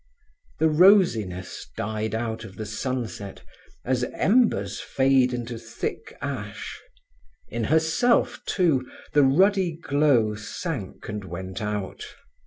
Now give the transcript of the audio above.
The rosiness died out of the sunset as embers fade into thick ash. In herself, too, the ruddy glow sank and went out.